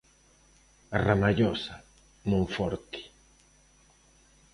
A Ramallosa, Monforte.